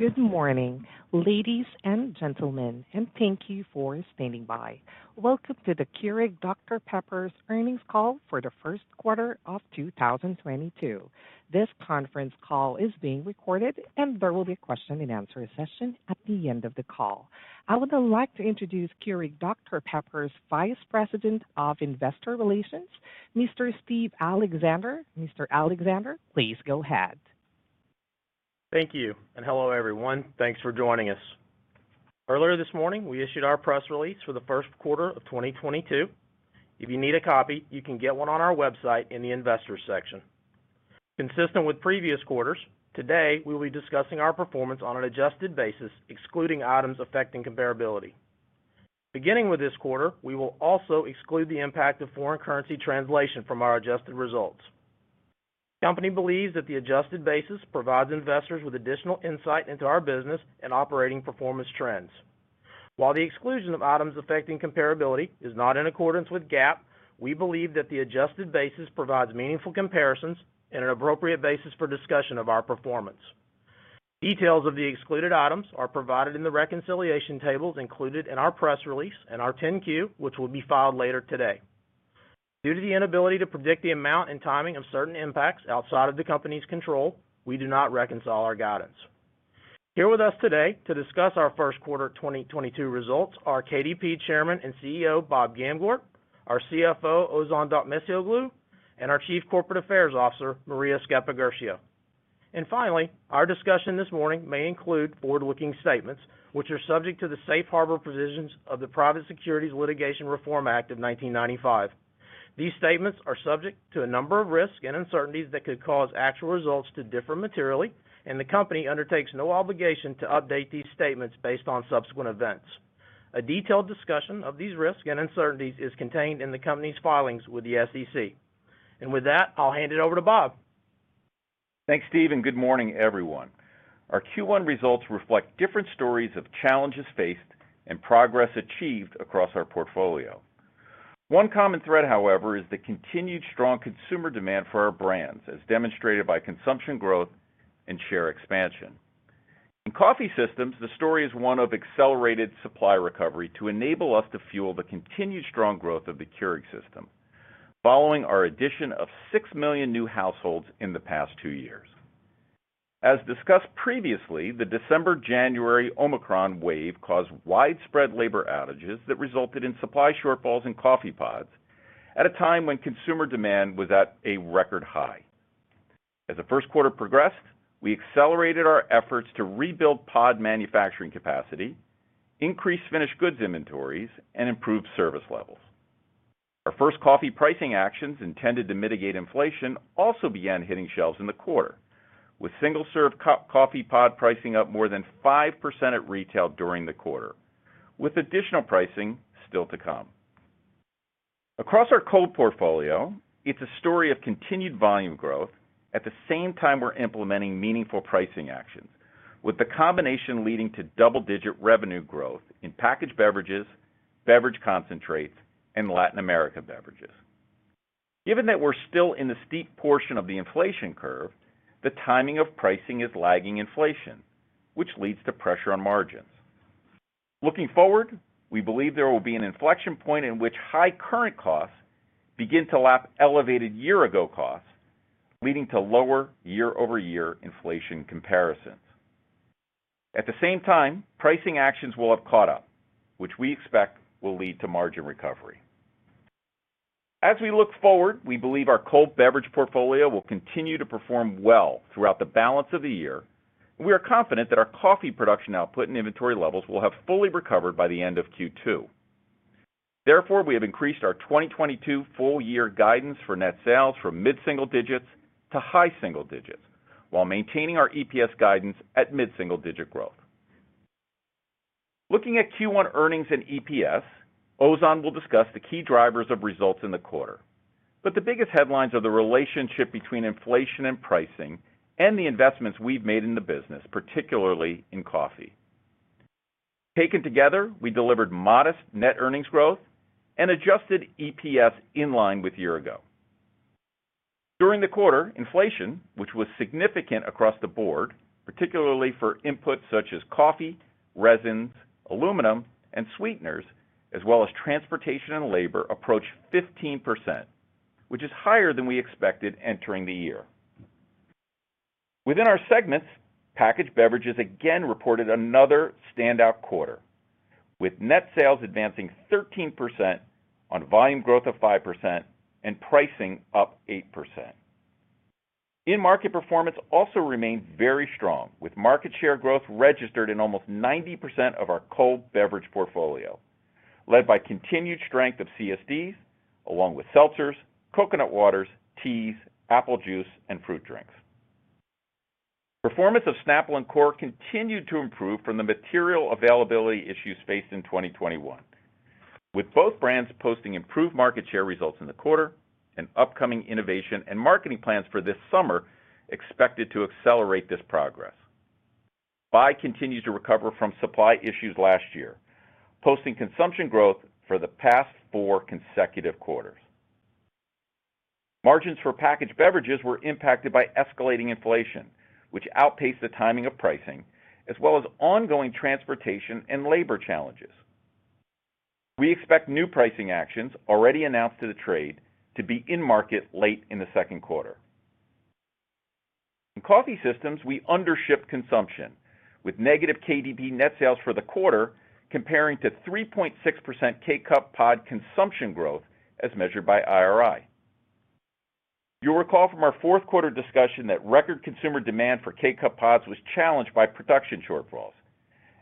Good morning, ladies and gentlemen, and thank you for standing by. Welcome to the Keurig Dr Pepper's Earnings Call for the first quarter of 2022. This conference call is being recorded, and there will be a question and answer session at the end of the call. I would now like to introduce Keurig Dr Pepper's Vice President of Investor Relations, Mr. Steve Alexander. Mr. Alexander, please go ahead. Thank you. Hello, everyone. Thanks for joining us. Earlier this morning, we issued our press release for the first quarter of 2022. If you need a copy, you can get one on our website in the investor section. Consistent with previous quarters, today we will be discussing our performance on an adjusted basis, excluding items affecting comparability. Beginning with this quarter, we will also exclude the impact of foreign currency translation from our adjusted results. Company believes that the adjusted basis provides investors with additional insight into our business and operating performance trends. While the exclusion of items affecting comparability is not in accordance with GAAP, we believe that the adjusted basis provides meaningful comparisons and an appropriate basis for discussion of our performance. Details of the excluded items are provided in the reconciliation tables included in our press release and our 10-Q, which will be filed later today. Due to the inability to predict the amount and timing of certain impacts outside of the company's control, we do not reconcile our guidance. Here with us today to discuss our first quarter 2022 results are KDP Chairman and CEO Bob Gamgort, our CFO Ozan Dokmecioglu, and our Chief Corporate Affairs Officer Maria Sceppaguercio. Finally, our discussion this morning may include forward-looking statements which are subject to the safe harbor provisions of the Private Securities Litigation Reform Act of 1995. These statements are subject to a number of risks and uncertainties that could cause actual results to differ materially, and the company undertakes no obligation to update these statements based on subsequent events. A detailed discussion of these risks and uncertainties is contained in the company's filings with the SEC. With that, I'll hand it over to Bob. Thanks, Steve, and good morning, everyone. Our Q1 results reflect different stories of challenges faced and progress achieved across our portfolio. One common thread, however, is the continued strong consumer demand for our brands, as demonstrated by consumption growth and share expansion. In coffee systems, the story is one of accelerated supply recovery to enable us to fuel the continued strong growth of the Keurig system following our addition of 6 million new households in the past two years. As discussed previously, the December-January Omicron wave caused widespread labor outages that resulted in supply shortfalls in coffee pods at a time when consumer demand was at a record high. As the first quarter progressed, we accelerated our efforts to rebuild pod manufacturing capacity, increase finished goods inventories, and improve service levels. Our first coffee pricing actions intended to mitigate inflation also began hitting shelves in the quarter, with single-serve coffee pod pricing up more than 5% at retail during the quarter, with additional pricing still to come. Across our cold portfolio, it's a story of continued volume growth at the same time we're implementing meaningful pricing actions, with the combination leading to double-digit revenue growth in packaged beverages, beverage concentrates, and Latin America beverages. Given that we're still in the steep portion of the inflation curve, the timing of pricing is lagging inflation, which leads to pressure on margins. Looking forward, we believe there will be an inflection point in which high current costs begin to lap elevated year-ago costs, leading to lower year-over-year inflation comparisons. At the same time, pricing actions will have caught up, which we expect will lead to margin recovery. As we look forward, we believe our cold beverage portfolio will continue to perform well throughout the balance of the year. We are confident that our coffee production output and inventory levels will have fully recovered by the end of Q2. Therefore, we have increased our 2022 full-year guidance for net sales from mid-single digits% to high single digits% while maintaining our EPS guidance at mid-single-digit% growth. Looking at Q1 earnings and EPS, Ozan will discuss the key drivers of results in the quarter. The biggest headlines are the relationship between inflation and pricing and the investments we've made in the business, particularly in coffee. Taken together, we delivered modest net earnings growth and adjusted EPS in line with year-ago. During the quarter, inflation, which was significant across the board, particularly for inputs such as coffee, resins, aluminum and sweeteners, as well as transportation and labor, approached 15%, which is higher than we expected entering the year. Within our segments, packaged beverages again reported another standout quarter, with net sales advancing 13% on volume growth of 5% and pricing up 8%. In-market performance also remained very strong, with market share growth registered in almost 90% of our cold beverage portfolio, led by continued strength of CSDs along with seltzers, coconut waters, teas, apple juice, and fruit drinks. Performance of Snapple and Core continued to improve from the material availability issues faced in 2021, with both brands posting improved market share results in the quarter and upcoming innovation and marketing plans for this summer expected to accelerate this progress. Bai continues to recover from supply issues last year, posting consumption growth for the past four consecutive quarters. Margins for packaged beverages were impacted by escalating inflation, which outpaced the timing of pricing, as well as ongoing transportation and labor challenges. We expect new pricing actions already announced to the trade to be in market late in the second quarter. In coffee systems, we undershipped consumption with negative KDP net sales for the quarter comparing to 3.6% K-Cup pod consumption growth as measured by IRI. You'll recall from our fourth quarter discussion that record consumer demand for K-Cup pods was challenged by production shortfalls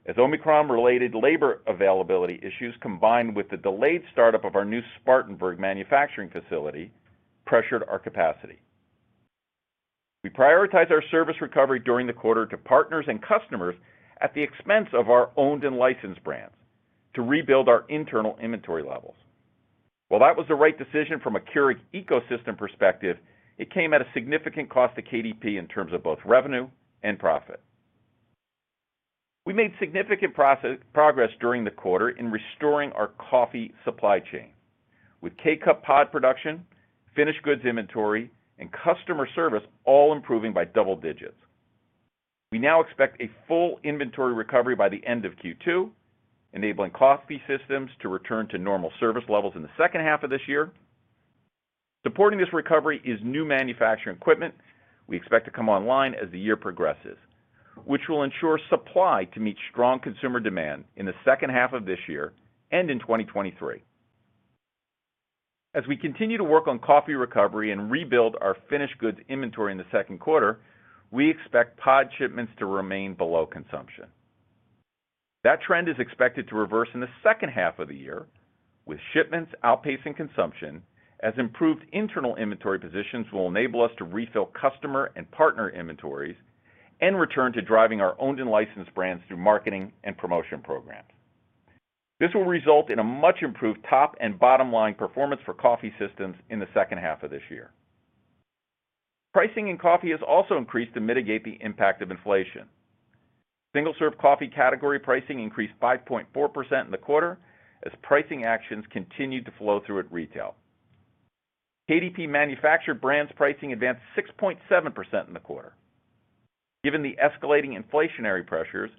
as Omicron-related labor availability issues combined with the delayed startup of our new Spartanburg manufacturing facility pressured our capacity. We prioritize our service recovery during the quarter to partners and customers at the expense of our owned and licensed brands to rebuild our internal inventory levels. While that was the right decision from a Keurig ecosystem perspective, it came at a significant cost to KDP in terms of both revenue and profit. We made significant progress during the quarter in restoring our coffee supply chain with K-Cup pod production, finished goods inventory, and customer service all improving by double digits. We now expect a full inventory recovery by the end of Q2, enabling coffee systems to return to normal service levels in the second half of this year. Supporting this recovery is new manufacturing equipment we expect to come online as the year progresses, which will ensure supply to meet strong consumer demand in the second half of this year and in 2023. As we continue to work on coffee recovery and rebuild our finished goods inventory in the second quarter, we expect pod shipments to remain below consumption. That trend is expected to reverse in the second half of the year with shipments outpacing consumption as improved internal inventory positions will enable us to refill customer and partner inventories and return to driving our owned and licensed brands through marketing and promotion programs. This will result in a much improved top and bottom line performance for coffee systems in the second half of this year. Pricing in coffee has also increased to mitigate the impact of inflation. Single-serve coffee category pricing increased 5.4% in the quarter as pricing actions continued to flow through at retail. KDP manufactured brands pricing advanced 6.7% in the quarter. Given the escalating inflationary pressures,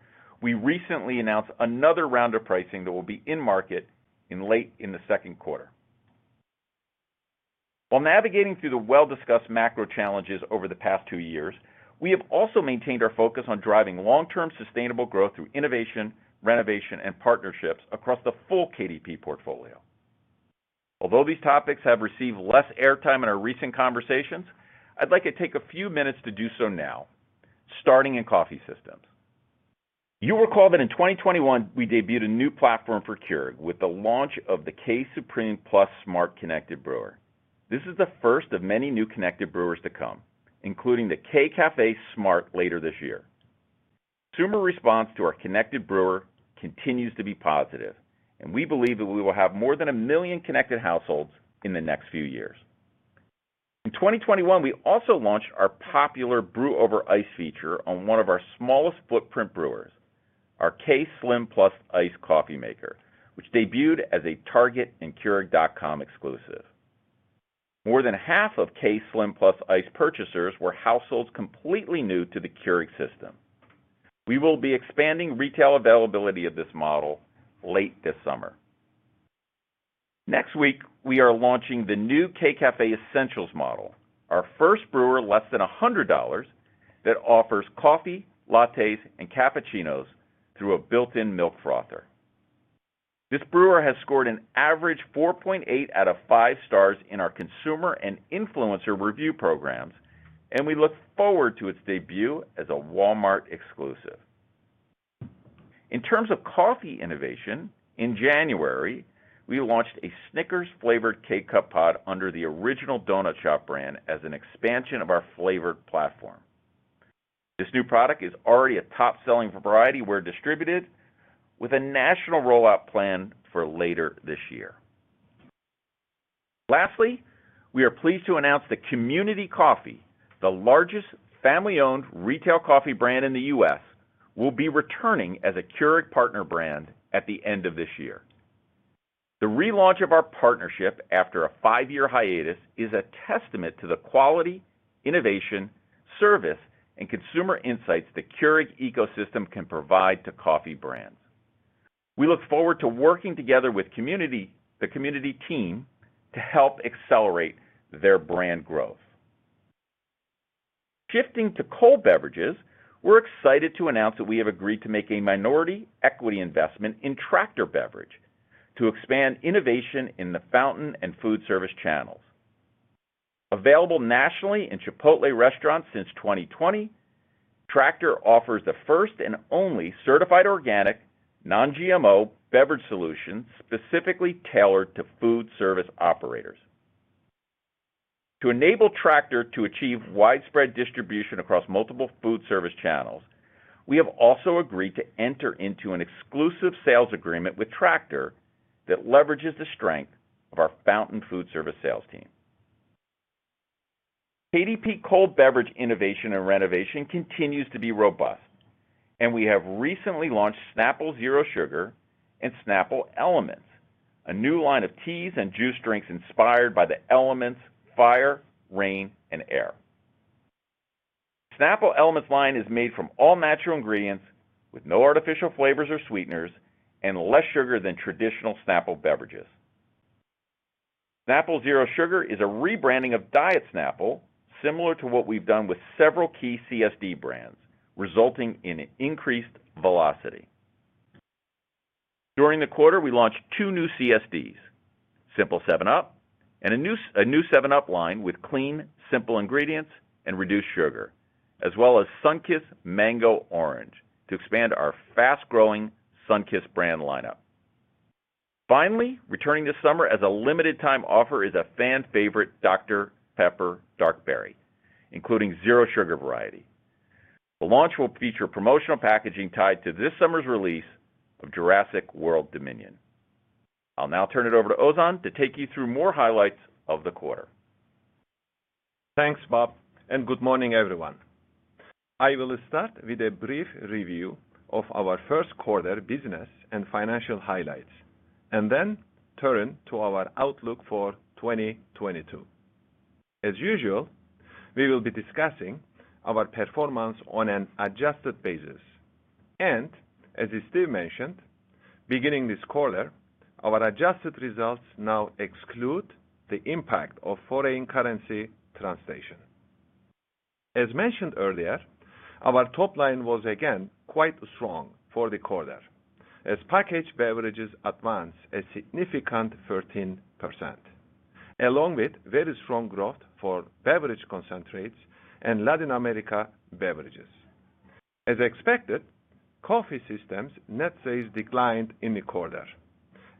we recently announced another round of pricing that will be in market late in the second quarter. While navigating through the well-discussed macro challenges over the past two years, we have also maintained our focus on driving long-term sustainable growth through innovation, renovation, and partnerships across the full KDP portfolio. Although these topics have received less airtime in our recent conversations, I'd like to take a few minutes to do so now, starting in coffee systems. You'll recall that in 2021, we debuted a new platform for Keurig with the launch of the K-Supreme Plus Smart Connected Brewer. This is the first of many new connected brewers to come, including the K-Café Smart later this year. Consumer response to our connected brewer continues to be positive, and we believe that we will have more than 1 million connected households in the next few years. In 2021, we also launched our popular Brew Over Ice feature on one of our smallest footprint brewers, our K-Slim Plus Ice coffee maker, which debuted as a Target and keurig.com exclusive. More than half of K-Slim Plus Ice purchasers were households completely new to the Keurig system. We will be expanding retail availability of this model late this summer. Next week, we are launching the new K-Café Essentials model, our first brewer less than $100 that offers coffee, lattes, and cappuccinos through a built-in milk frother. This brewer has scored an average 4.8 out of five stars in our consumer and influencer review programs, and we look forward to its debut as a Walmart exclusive. In terms of coffee innovation, in January, we launched a Snickers-flavored K-Cup pod under The Original Donut Shop brand as an expansion of our flavored platform. This new product is already a top-selling variety wherever distributed with a national rollout plan for later this year. Lastly, we are pleased to announce that Community Coffee, the largest family-owned retail coffee brand in the U.S., will be returning as a Keurig partner brand at the end of this year. The relaunch of our partnership after a five-year hiatus is a testament to the quality, innovation, service, and consumer insights the Keurig ecosystem can provide to coffee brands. We look forward to working together with the Community team to help accelerate their brand growth. Shifting to cold beverages, we're excited to announce that we have agreed to make a minority equity investment in Tractor Beverage to expand innovation in the fountain and food service channels. Available nationally in Chipotle restaurants since 2020, Tractor offers the first and only certified organic non-GMO beverage solution specifically tailored to food service operators. To enable Tractor to achieve widespread distribution across multiple food service channels, we have also agreed to enter into an exclusive sales agreement with Tractor that leverages the strength of our fountain food service sales team. KDP cold beverage innovation and renovation continues to be robust, and we have recently launched Snapple Zero Sugar and Snapple Elements, a new line of teas and juice drinks inspired by the elements fire, rain, and air. Snapple Elements line is made from all natural ingredients with no artificial flavors or sweeteners and less sugar than traditional Snapple beverages. Snapple Zero Sugar is a rebranding of Diet Snapple, similar to what we've done with several key CSD brands, resulting in increased velocity. During the quarter, we launched two new CSDs, Simple 7UP and a new 7UP line with clean, simple ingredients and reduced sugar, as well as Sunkist Mango Orange to expand our fast-growing Sunkist brand lineup. Finally, returning this summer as a limited time offer is a fan favorite Dr Pepper Dark Berry, including Zero Sugar variety. The launch will feature promotional packaging tied to this summer's release of Jurassic World Dominion. I'll now turn it over to Ozan to take you through more highlights of the quarter. Thanks, Bob, and good morning, everyone. I will start with a brief review of our first quarter business and financial highlights, and then turn to our outlook for 2022. As usual, we will be discussing our performance on an adjusted basis. As Steve mentioned, beginning this quarter, our adjusted results now exclude the impact of foreign currency translation. As mentioned earlier, our top line was again quite strong for the quarter as packaged beverages advanced a significant 13%, along with very strong growth for beverage concentrates and Latin America beverages. As expected, Coffee Systems net sales declined in the quarter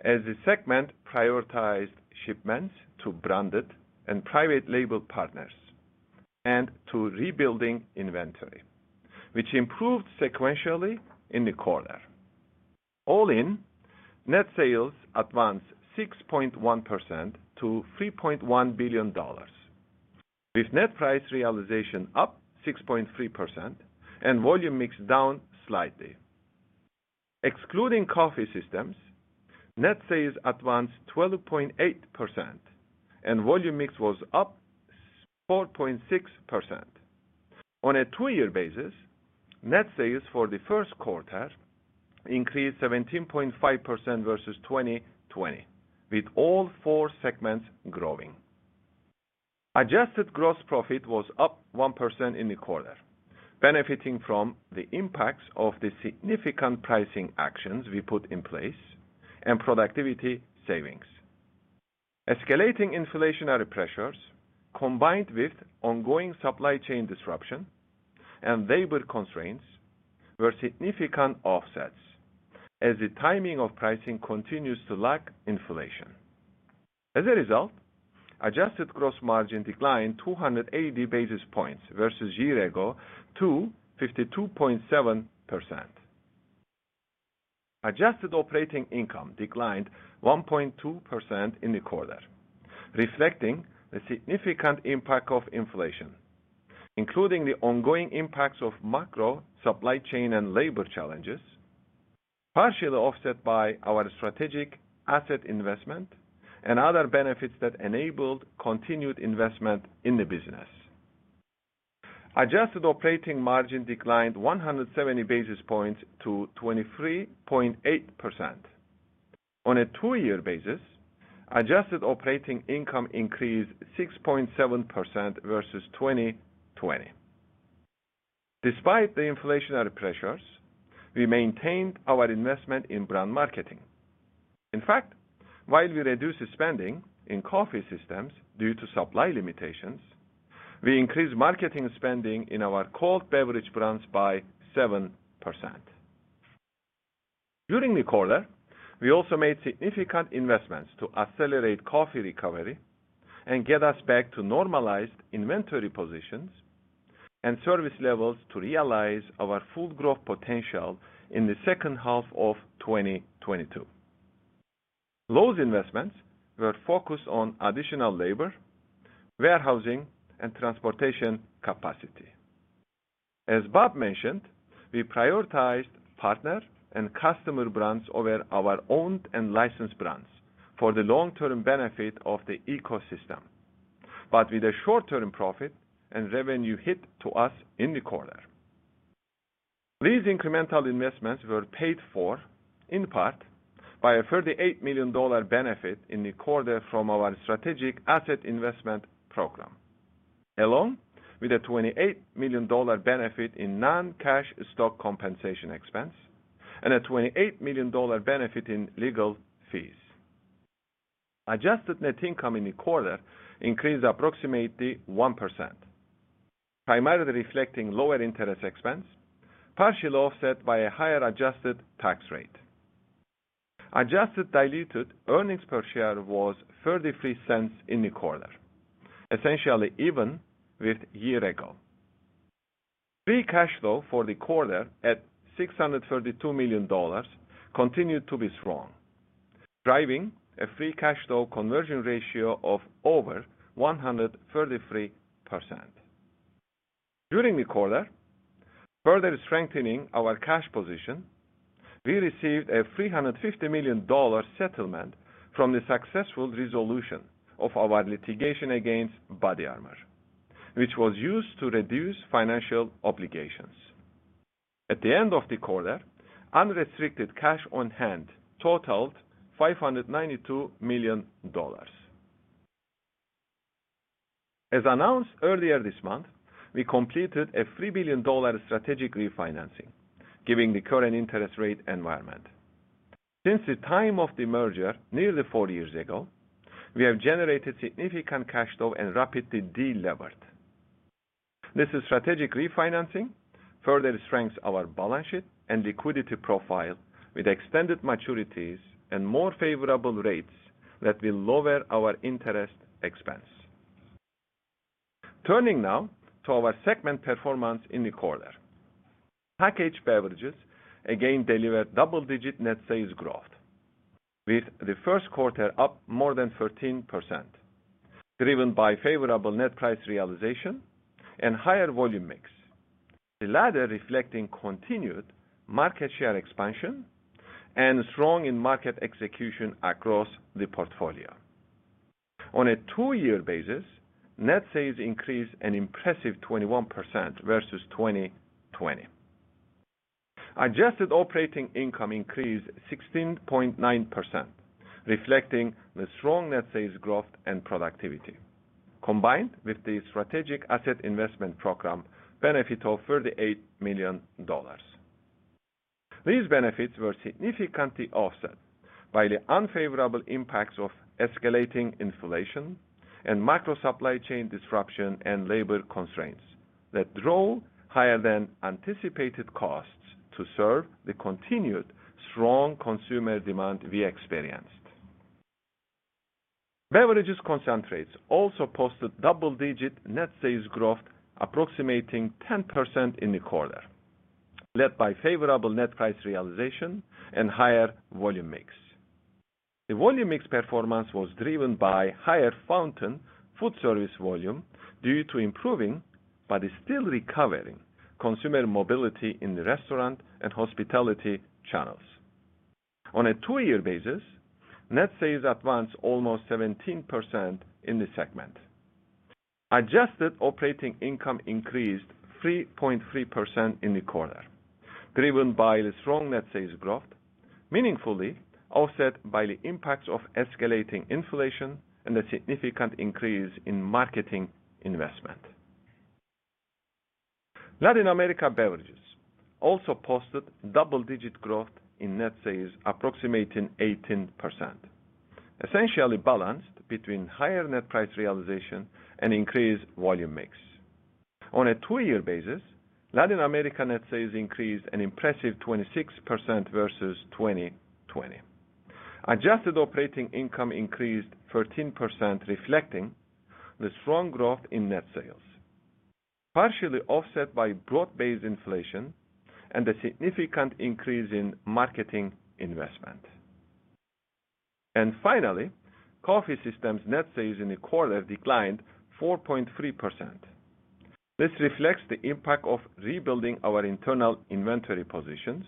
as the segment prioritized shipments to branded and private label partners and to rebuilding inventory, which improved sequentially in the quarter. All in, net sales advanced 6.1% to $3.1 billion, with net price realization up 6.3% and volume mix down slightly. Excluding Coffee Systems, net sales advanced 12.8% and volume mix was up 4.6%. On a two-year basis, net sales for the first quarter increased 17.5% versus 2020, with all four segments growing. Adjusted gross profit was up 1% in the quarter, benefiting from the impacts of the significant pricing actions we put in place and productivity savings. Escalating inflationary pressures combined with ongoing supply chain disruption and labor constraints were significant offsets as the timing of pricing continues to lag inflation. As a result, adjusted gross margin declined 280 basis points versus year ago to 52.7%. Adjusted operating income declined 1.2% in the quarter, reflecting the significant impact of inflation, including the ongoing impacts of macro supply chain and labor challenges, partially offset by our strategic asset investment and other benefits that enabled continued investment in the business. Adjusted operating margin declined 170 basis points to 23.8%. On a two-year basis, adjusted operating income increased 6.7% versus 2020. Despite the inflationary pressures, we maintained our investment in brand marketing. In fact, while we reduced spending in Coffee Systems due to supply limitations, we increased marketing spending in our cold beverage brands by 7%. During the quarter, we also made significant investments to accelerate coffee recovery and get us back to normalized inventory positions and service levels to realize our full growth potential in the second half of 2022. Those investments were focused on additional labor, warehousing, and transportation capacity. As Bob mentioned, we prioritized partner and customer brands over our owned and licensed brands for the long-term benefit of the ecosystem, but with a short-term profit and revenue hit to us in the quarter. These incremental investments were paid for in part by a $38 million benefit in the quarter from our strategic asset investment program, along with a $28 million benefit in non-cash stock compensation expense and a $28 million benefit in legal fees. Adjusted net income in the quarter increased approximately 1%, primarily reflecting lower interest expense, partially offset by a higher adjusted tax rate. Adjusted diluted earnings per share was $0.33 in the quarter, essentially even with year ago. Free cash flow for the quarter at $632 million continued to be strong, driving a free cash flow conversion ratio of over 133%. During the quarter, further strengthening our cash position, we received a $350 million settlement from the successful resolution of our litigation against BODYARMOR, which was used to reduce financial obligations. At the end of the quarter, unrestricted cash on hand totaled $592 million. As announced earlier this month, we completed a $3 billion strategic refinancing, given the current interest rate environment. Since the time of the merger nearly four years ago, we have generated significant cash flow and rapidly delevered. This strategic refinancing further strengthens our balance sheet and liquidity profile with extended maturities and more favorable rates that will lower our interest expense. Turning now to our segment performance in the quarter. Packaged beverages, again, delivered double-digit net sales growth with the first quarter up more than 13%, driven by favorable net price realization and higher volume mix. The latter reflecting continued market share expansion and strong in-market execution across the portfolio. On a two-year basis, net sales increased an impressive 21% versus 2020. Adjusted operating income increased 16.9%, reflecting the strong net sales growth and productivity combined with the strategic asset investment program benefit of $38 million. These benefits were significantly offset by the unfavorable impacts of escalating inflation and macro supply chain disruption and labor constraints that drove higher than anticipated costs to serve the continued strong consumer demand we experienced. Beverage concentrates also posted double-digit net sales growth approximating 10% in the quarter, led by favorable net price realization and higher volume mix. The volume mix performance was driven by higher fountain food service volume due to improving, but is still recovering consumer mobility in the restaurant and hospitality channels. On a two-year basis, net sales advanced almost 17% in the segment. Adjusted operating income increased 3.3% in the quarter, driven by the strong net sales growth, meaningfully offset by the impacts of escalating inflation and a significant increase in marketing investment. Latin America beverages also posted double-digit growth in net sales approximating 18%, essentially balanced between higher net price realization and increased volume mix. On a two-year basis, Latin America net sales increased an impressive 26% versus 2020. Adjusted operating income increased 13%, reflecting the strong growth in net sales, partially offset by broad-based inflation and a significant increase in marketing investment. Finally, coffee systems net sales in the quarter declined 4.3%. This reflects the impact of rebuilding our internal inventory positions,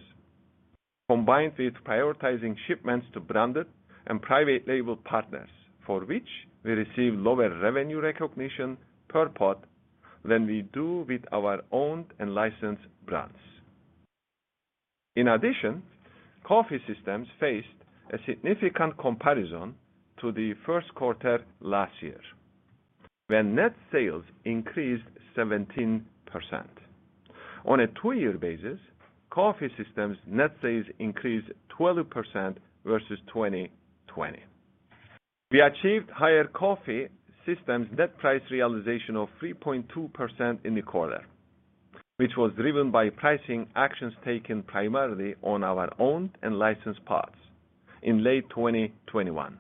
combined with prioritizing shipments to branded and private label partners, for which we receive lower revenue recognition per pod than we do with our own and licensed brands. In addition, coffee systems faced a significant comparison to the first quarter last year, when net sales increased 17%. On a two-year basis, coffee systems net sales increased 12% versus 2020. We achieved higher coffee systems net price realization of 3.2% in the quarter, which was driven by pricing actions taken primarily on our own and licensed pods in late 2021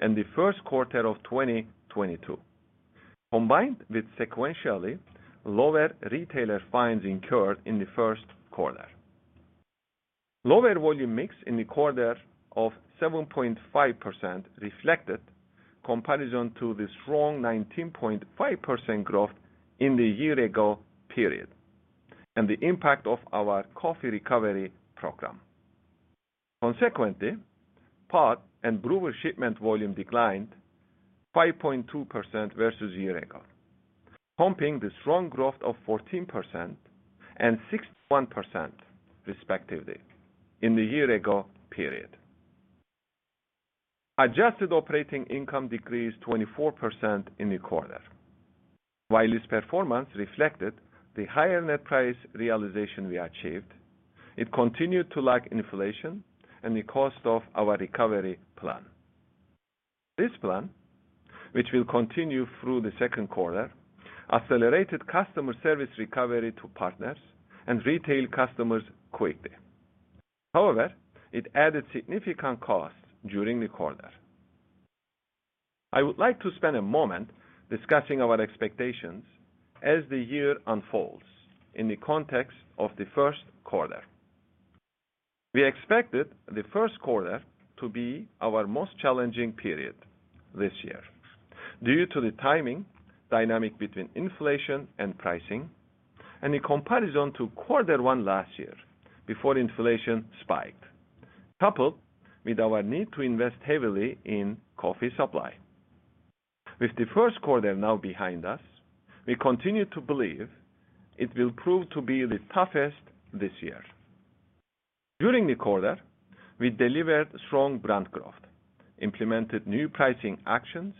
and the first quarter of 2022, combined with sequentially lower retailer fines incurred in the first quarter. Lower volume mix in the quarter of 7.5% reflected comparison to the strong 19.5% growth in the year ago period, and the impact of our coffee recovery program. Consequently, pod and brewer shipment volume declined 5.2% versus year ago, versus the strong growth of 14% and 61% respectively in the year ago period. Adjusted operating income decreased 24% in the quarter. While this performance reflected the higher net price realization we achieved, it continued to lag inflation and the cost of our recovery plan. This plan, which will continue through the second quarter, accelerated customer service recovery to partners and retail customers quickly. However, it added significant costs during the quarter. I would like to spend a moment discussing our expectations as the year unfolds in the context of the first quarter. We expected the first quarter to be our most challenging period this year due to the timing dynamic between inflation and pricing, and in comparison to quarter one last year before inflation spiked, coupled with our need to invest heavily in coffee supply. With the first quarter now behind us, we continue to believe it will prove to be the toughest this year. During the quarter, we delivered strong brand growth, implemented new pricing actions,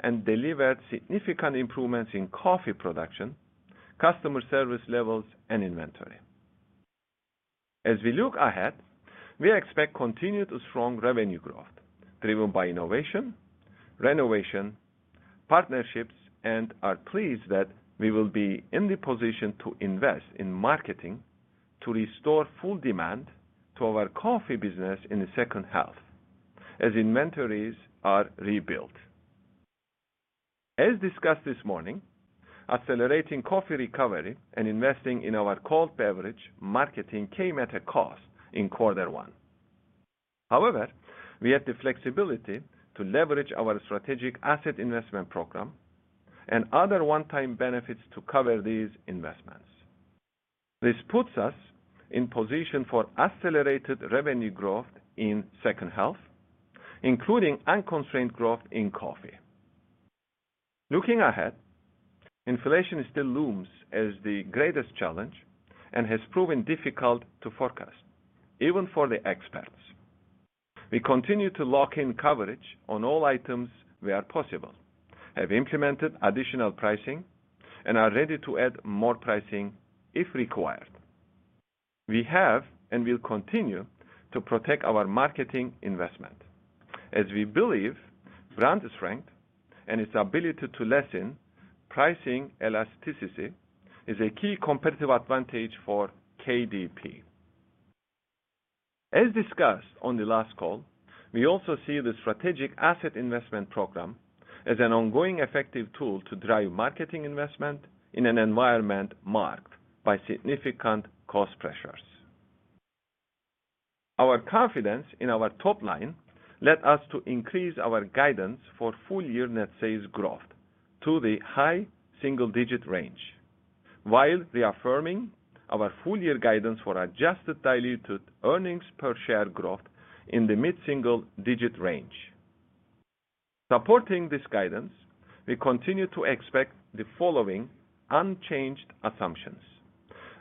and delivered significant improvements in coffee production, customer service levels, and inventory. As we look ahead, we expect continued strong revenue growth driven by innovation, renovation, partnerships, and are pleased that we will be in the position to invest in marketing to restore full demand to our coffee business in the second half as inventories are rebuilt. As discussed this morning, accelerating coffee recovery and investing in our cold beverage marketing came at a cost in quarter one. However, we had the flexibility to leverage our strategic asset investment program and other one-time benefits to cover these investments. This puts us in position for accelerated revenue growth in second half, including unconstrained growth in coffee. Looking ahead, inflation still looms as the greatest challenge and has proven difficult to forecast even for the experts. We continue to lock in coverage on all items where possible, have implemented additional pricing, and are ready to add more pricing if required. We have and will continue to protect our marketing investment as we believe brand strength and its ability to lessen pricing elasticity is a key competitive advantage for KDP. As discussed on the last call, we also see the strategic asset investment program as an ongoing effective tool to drive marketing investment in an environment marked by significant cost pressures. Our confidence in our top line led us to increase our guidance for full year net sales growth to the high single digit range, while reaffirming our full year guidance for adjusted diluted earnings per share growth in the mid-single digit range. Supporting this guidance, we continue to expect the following unchanged assumptions.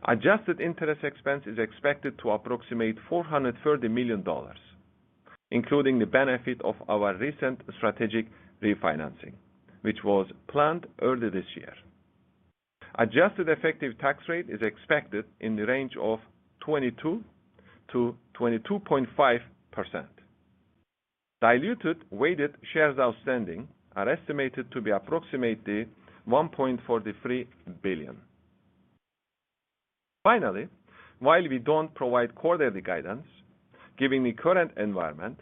Adjusted interest expense is expected to approximate $430 million, including the benefit of our recent strategic refinancing, which was planned earlier this year. Adjusted effective tax rate is expected in the range of 20%-22.5%. Diluted weighted shares outstanding are estimated to be approximately 1.43 billion. Finally, while we don't provide quarterly guidance, given the current environment,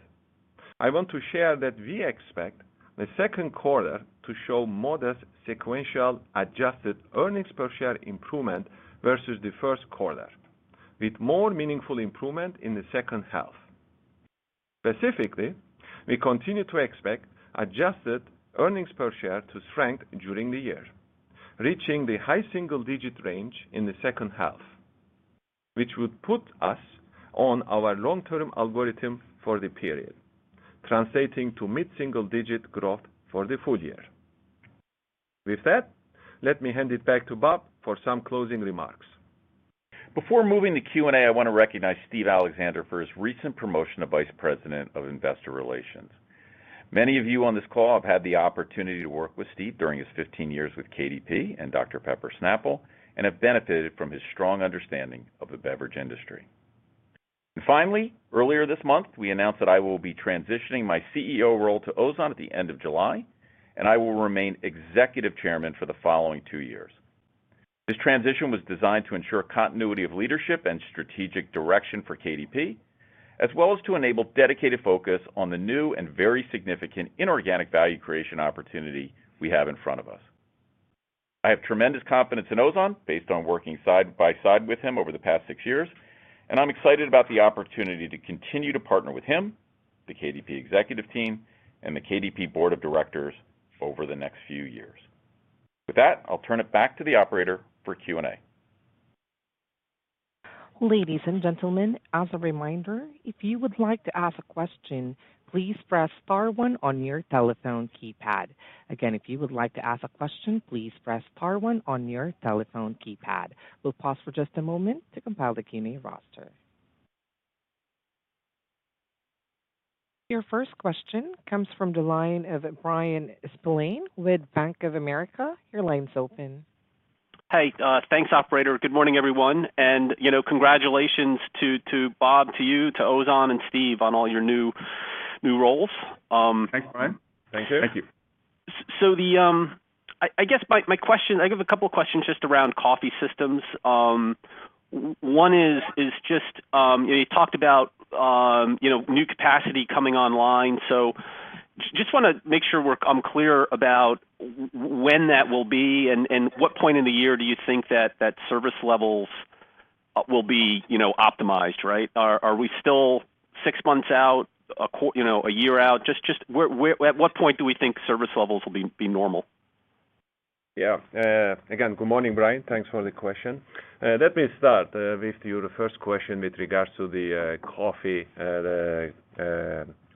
I want to share that we expect the second quarter to show modest sequential adjusted earnings per share improvement versus the first quarter, with more meaningful improvement in the second half. Specifically, we continue to expect adjusted earnings per share to strengthen during the year, reaching the high single-digit range in the second half, which would put us on our long-term algorithm for the period, translating to mid-single digit growth for the full year. With that, let me hand it back to Bob for some closing remarks. Before moving to Q&A, I want to recognize Steve Alexander for his recent promotion to Vice President of Investor Relations. Many of you on this call have had the opportunity to work with Steve during his 15 years with KDP and Dr Pepper Snapple Group and have benefited from his strong understanding of the beverage industry. Finally, earlier this month, we announced that I will be transitioning my CEO role to Ozan Dokmecioglu at the end of July, and I will remain Executive Chairman for the following two years. This transition was designed to ensure continuity of leadership and strategic direction for KDP, as well as to enable dedicated focus on the new and very significant inorganic value creation opportunity we have in front of us. I have tremendous confidence in Ozan based on working side by side with him over the past six years, and I'm excited about the opportunity to continue to partner with him, the KDP executive team, and the KDP board of directors over the next few years. With that, I'll turn it back to the operator for Q&A. Ladies and gentlemen, as a reminder, if you would like to ask a question, please press star one on your telephone keypad. Again, if you would like to ask a question, please press star one on your telephone keypad. We'll pause for just a moment to compile the Q&A roster. Your first question comes from the line of Bryan Spillane with Bank of America. Your line's open. Hey, thanks, operator. Good morning, everyone. You know, congratulations to Bob, to you, to Ozan and Steve on all your new roles. Thanks, Bryan. Thank you. Thank you. I guess my question, I have a couple questions just around coffee systems. One is just you talked about, you know, new capacity coming online. Just want to make sure I'm clear about when that will be and what point in the year do you think that service levels will be, you know, optimized, right? Are we still six months out, a quarter, you know, a year out? Just where at what point do we think service levels will be normal? Yeah. Again, good morning, Bryan. Thanks for the question. Let me start with your first question with regards to the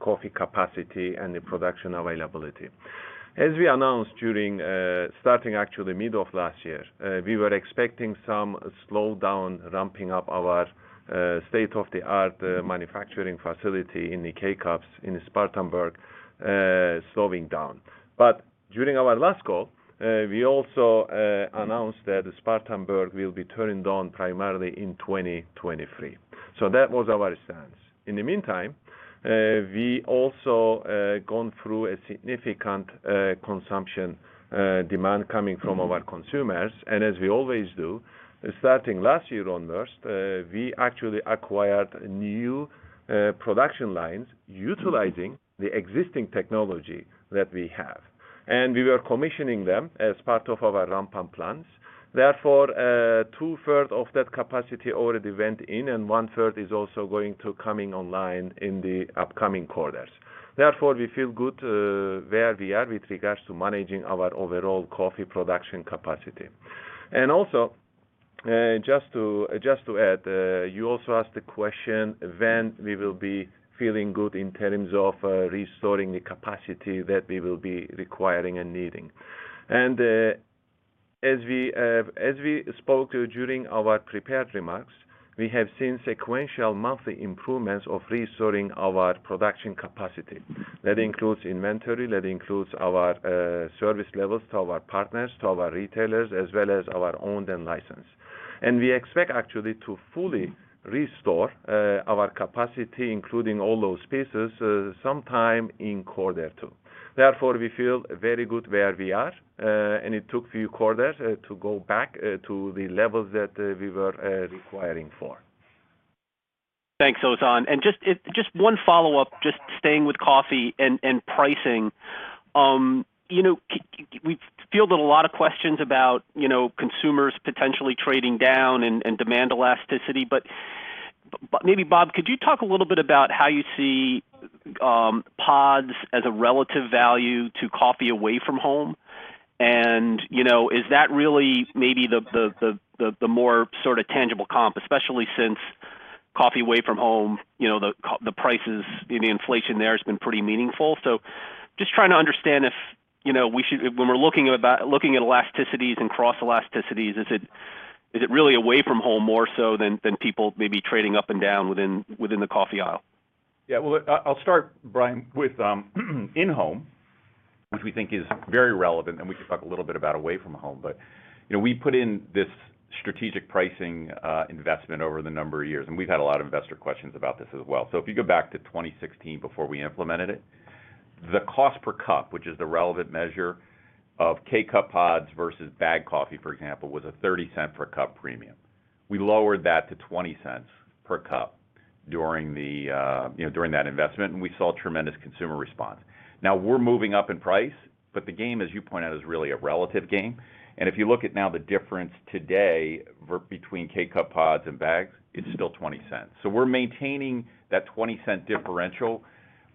coffee capacity and the production availability. As we announced starting actually mid of last year, we were expecting some slowdown ramping up our state-of-the-art manufacturing facility in the K-Cups in Spartanburg, slowing down. During our last call, we also announced that Spartanburg will be turned on primarily in 2023. That was our stance. In the meantime, we also went through a significant consumer demand coming from our consumers. As we always do, starting last year onwards, we actually acquired new production lines utilizing the existing technology that we have. We were commissioning them as part of our ramp-up plans. Therefore, 2/3 of that capacity already went in, and 1/3 is also going to come online in the upcoming quarters. Therefore, we feel good where we are with regards to managing our overall coffee production capacity. Also, just to add, you also asked the question when we will be feeling good in terms of restoring the capacity that we will be requiring and needing. As we spoke during our prepared remarks, we have seen sequential monthly improvements of restoring our production capacity. That includes inventory, our service levels to our partners, to our retailers, as well as our owned and licensed. We expect actually to fully restore our capacity, including all those pieces, sometime in quarter two. Therefore, we feel very good where we are, and it took few quarters to go back to the levels that we were requiring for. Thanks, Ozan. Just one follow-up, just staying with coffee and pricing. You know, we fielded a lot of questions about, you know, consumers potentially trading down and demand elasticity. But maybe, Bob, could you talk a little bit about how you see pods as a relative value to coffee away from home? You know, is that really maybe the more sort of tangible comp, especially since coffee away from home, you know, the prices and the inflation there has been pretty meaningful. Just trying to understand if, you know, we should. When we're looking at elasticities and cross elasticities, is it really away from home more so than people maybe trading up and down within the coffee aisle? I'll start, Bryan, with in-home, which we think is very relevant, and we can talk a little bit about away from home. You know, we put in this strategic pricing investment over the number of years, and we've had a lot of investor questions about this as well. If you go back to 2016 before we implemented it, the cost per cup, which is the relevant measure of K-Cup pods versus bag coffee, for example, was a $0.30 per cup premium. We lowered that to $0.20 per cup during that investment, and we saw tremendous consumer response. Now we're moving up in price, but the game, as you pointed out, is really a relative game. If you look at now the difference today between K-Cup pods and bags, it's still $0.20. We're maintaining that $0.20 differential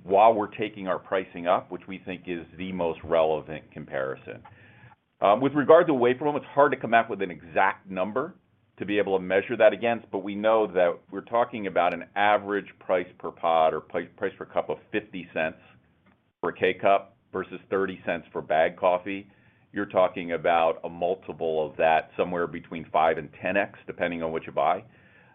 while we're taking our pricing up, which we think is the most relevant comparison. With regard to away from home, it's hard to come up with an exact number to be able to measure that against. We know that we're talking about an average price per pod or price per cup of $0.50 for a K-Cup versus $0.30 for bag coffee. You're talking about a multiple of that, somewhere between 5x-10x, depending on what you buy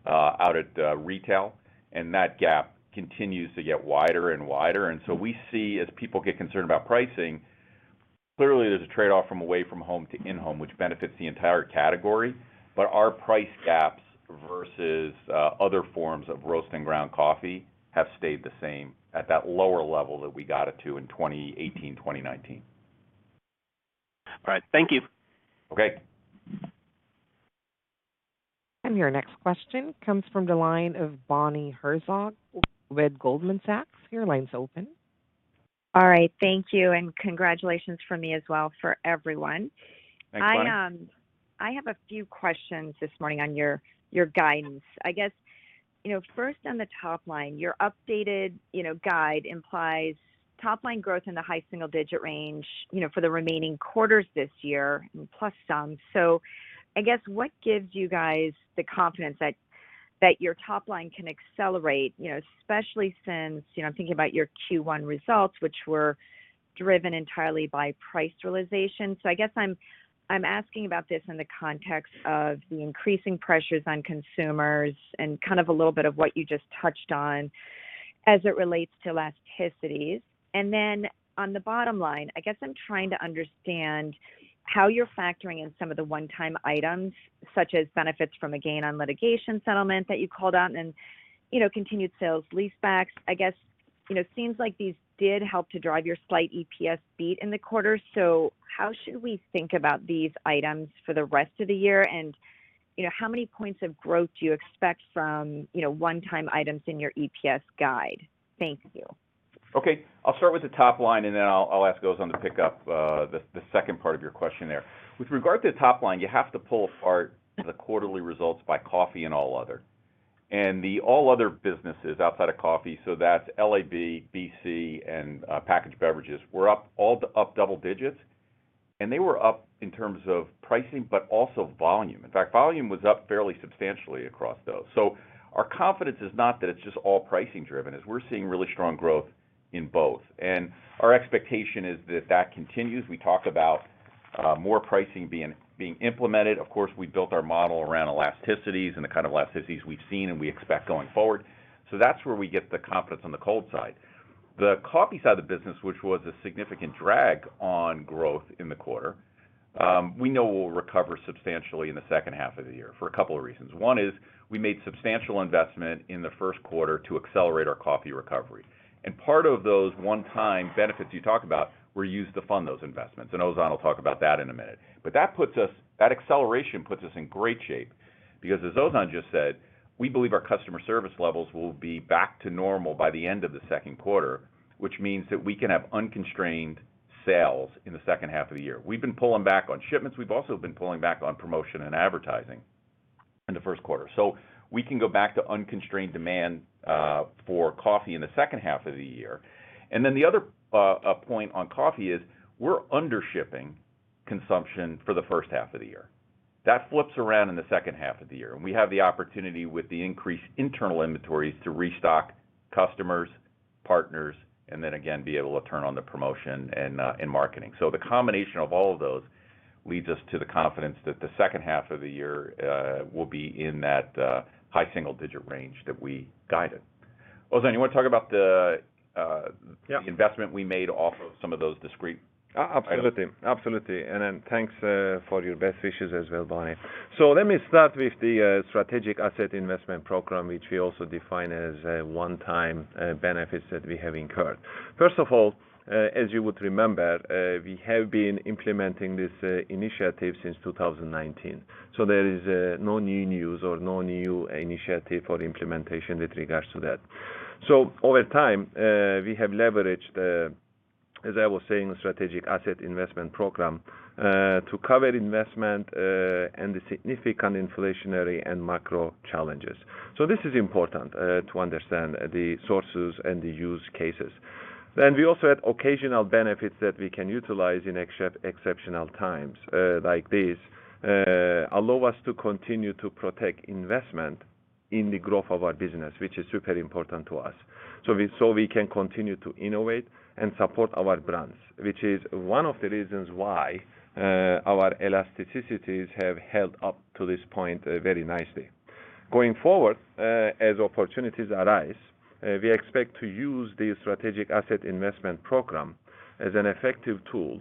out at retail. That gap continues to get wider and wider. We see as people get concerned about pricing, clearly there's a trade-off from away from home to in-home, which benefits the entire category. Our price gaps versus other forms of roast and ground coffee have stayed the same at that lower level that we got it to in 2018, 2019. All right. Thank you. Okay. Your next question comes from the line of Bonnie Herzog with Goldman Sachs. Your line's open. All right. Thank you, and congratulations from me as well for everyone. Thanks, Bonnie. I have a few questions this morning on your guidance. I guess, you know, first on the top line, your updated guide implies top line growth in the high single digit range, you know, for the remaining quarters this year, plus some. I guess, what gives you guys the confidence that your top line can accelerate, you know, especially since, you know, I'm thinking about your Q1 results, which were driven entirely by price realization. I'm asking about this in the context of the increasing pressures on consumers and kind of a little bit of what you just touched on as it relates to elasticities. Then on the bottom line, I guess I'm trying to understand how you're factoring in some of the one-time items, such as benefits from a gain on litigation settlement that you called out, and you know, continued sales leasebacks. I guess, you know, seems like these did help to drive your slight EPS beat in the quarter. How should we think about these items for the rest of the year? You know, how many points of growth do you expect from, you know, one-time items in your EPS guide? Thank you. Okay. I'll start with the top line, and then I'll ask Ozan to pick up the second part of your question there. With regard to the top line, you have to pull apart the quarterly results by coffee and all other. The all other businesses outside of coffee, so that's LAB, BC, and packaged beverages were up, all up double digits. They were up in terms of pricing, but also volume. In fact, volume was up fairly substantially across those. Our confidence is not that it's just all pricing driven, is we're seeing really strong growth in both. Our expectation is that that continues. We talk about more pricing being implemented. Of course, we built our model around elasticities and the kind of elasticities we've seen and we expect going forward. That's where we get the confidence on the cold side. The coffee side of the business, which was a significant drag on growth in the quarter, we know will recover substantially in the second half of the year for a couple of reasons. One is we made substantial investment in the first quarter to accelerate our coffee recovery, and part of those one-time benefits you talk about were used to fund those investments, and Ozan will talk about that in a minute. That acceleration puts us in great shape because as Ozan just said, we believe our customer service levels will be back to normal by the end of the second quarter, which means that we can have unconstrained sales in the second half of the year. We've been pulling back on shipments. We've also been pulling back on promotion and advertising in the first quarter. We can go back to unconstrained demand for coffee in the second half of the year. The other point on coffee is we're under-shipping consumption for the first half of the year. That flips around in the second half of the year, and we have the opportunity with the increased internal inventories to restock customers, partners, and then again, be able to turn on the promotion and marketing. The combination of all of those leads us to the confidence that the second half of the year will be in that high single-digit range that we guided. Ozan, you wanna talk about the Yeah the investment we made off of some of those discrete items. Absolutely. Thanks for your best wishes as well, Bonnie. Let me start with the strategic asset investment program, which we also define as one-time benefits that we have incurred. First of all, as you would remember, we have been implementing this initiative since 2019, there is no new news or no new initiative for implementation with regards to that. Over time, we have leveraged, as I was saying, the strategic asset investment program to cover investment and the significant inflationary and macro challenges. This is important to understand the sources and the use cases. We also had occasional benefits that we can utilize in exceptional times like this, allow us to continue to protect investment in the growth of our business, which is super important to us, so we can continue to innovate and support our brands, which is one of the reasons why our elasticities have held up to this point very nicely. Going forward, as opportunities arise, we expect to use the strategic asset investment program as an effective tool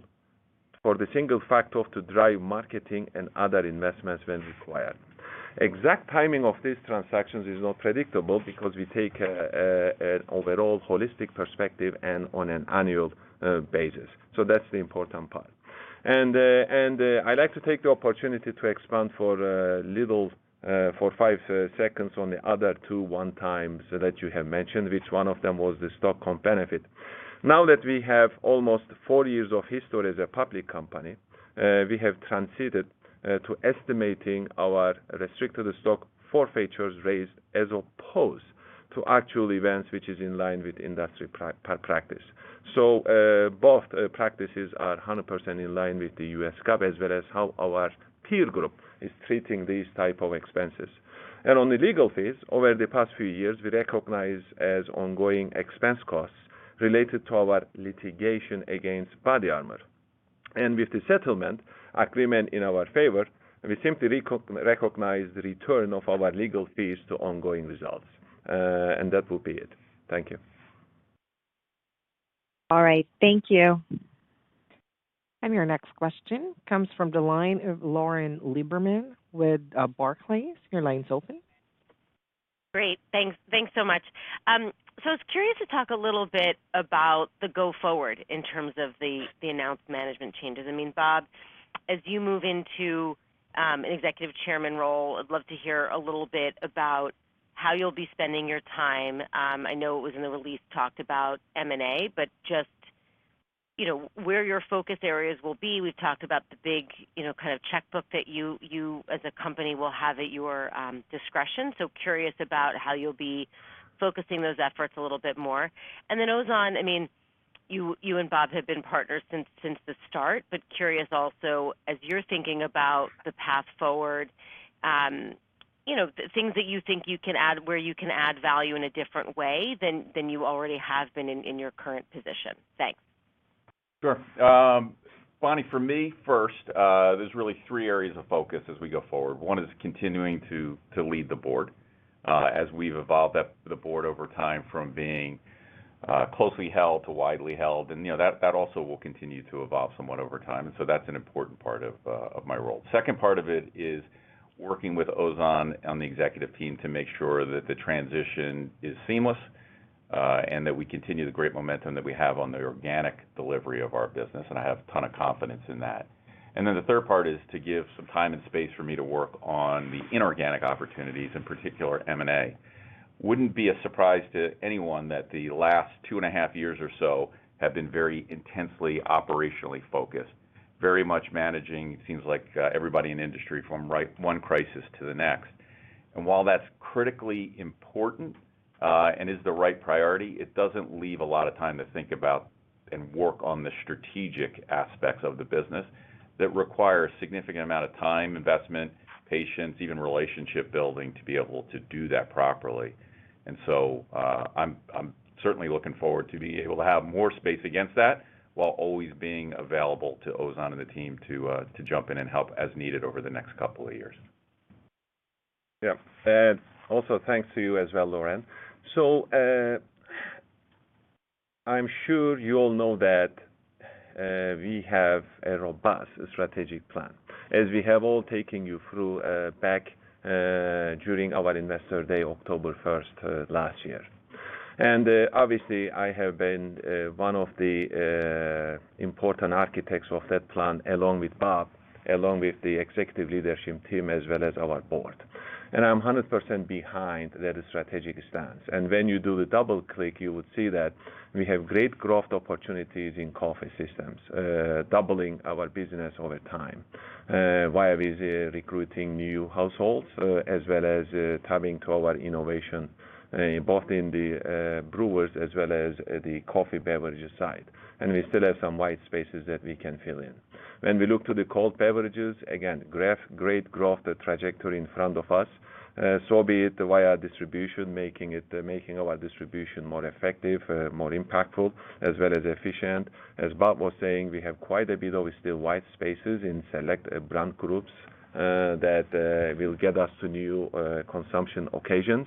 for the single factor to drive marketing and other investments when required. Exact timing of these transactions is not predictable because we take an overall holistic perspective and on an annual basis. That's the important part. I'd like to take the opportunity to expand for a little, for 5 seconds on the other two one-times that you have mentioned, which one of them was the stock comp benefit. Now that we have almost four years of history as a public company, we have transitioned to estimating our restricted stock forfeitures rate as opposed to actual events, which is in line with industry practice. Both practices are 100% in line with the US GAAP, as well as how our peer group is treating these type of expenses. On the legal fees, over the past few years, we recognize as ongoing expense costs related to our litigation against BODYARMOR. With the settlement agreement in our favor, we simply recognize the return of our legal fees to ongoing results. That will be it. Thank you. All right. Thank you. Your next question comes from the line of Lauren Lieberman with Barclays. Your line's open. Great. Thanks. Thanks so much. I was curious to talk a little bit about the going forward in terms of the announced management changes. I mean, Bob, as you move into an executive chairman role, I'd love to hear a little bit about how you'll be spending your time. I know it was in the release talked about M&A, but just, you know, where your focus areas will be. We've talked about the big, you know, kind of checkbook that you as a company will have at your discretion. Curious about how you'll be focusing those efforts a little bit more. Ozan, I mean, you and Bob have been partners since the start, but curious also, as you're thinking about the path forward, you know, things that you think you can add, where you can add value in a different way than you already have been in your current position. Thanks. Sure. Bonnie, for me, first, there's really three areas of focus as we go forward. One is continuing to lead the board, as we've evolved at the board over time from being closely held to widely held. You know, that also will continue to evolve somewhat over time. That's an important part of my role. Second part of it is working with Ozan on the executive team to make sure that the transition is seamless. That we continue the great momentum that we have on the organic delivery of our business, and I have a ton of confidence in that. Then the third part is to give some time and space for me to work on the inorganic opportunities, in particular M&A. Wouldn't be a surprise to anyone that the last two and a half years or so have been very intensely operationally focused, very much managing, it seems like, everybody in industry from one crisis to the next. While that's critically important, and is the right priority, it doesn't leave a lot of time to think about and work on the strategic aspects of the business that require a significant amount of time, investment, patience, even relationship building to be able to do that properly. I'm certainly looking forward to being able to have more space against that while always being available to Ozan and the team to jump in and help as needed over the next couple of years. Yeah. Also, thanks to you as well, Lauren. I'm sure you all know that we have a robust strategic plan, as we have all taken you through back during our Investor Day, October first last year. Obviously, I have been one of the important architects of that plan, along with Bob, along with the executive leadership team, as well as our board. I'm 100% behind that strategic stance. When you do the double click, you would see that we have great growth opportunities in coffee systems, doubling our business over time. We're recruiting new households, as well as tapping into our innovation, both in the brewers as well as the coffee beverages side. We still have some white spaces that we can fill in. When we look to the cold beverages, again, great growth trajectory in front of us, so be it via distribution, making our distribution more effective, more impactful, as well as efficient. As Bob was saying, we have quite a bit of still white spaces in select brand groups, that will get us to new consumption occasions.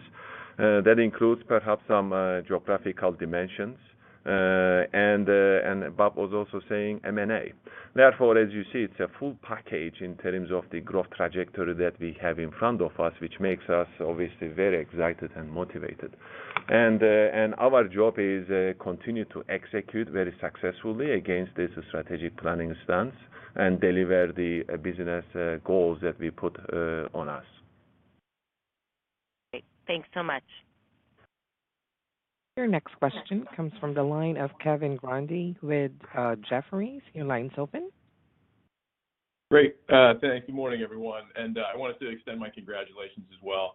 That includes perhaps some geographical dimensions. Bob was also saying M&A. Therefore, as you see, it's a full package in terms of the growth trajectory that we have in front of us, which makes us obviously very excited and motivated. Our job is continue to execute very successfully against this strategic planning stance and deliver the business goals that we put on us. Great. Thanks so much. Your next question comes from the line of Kevin Grundy with Jefferies. Your line's open. Great. Thank you. Morning, everyone. I wanted to extend my congratulations as well.